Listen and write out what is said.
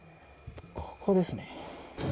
ここですね。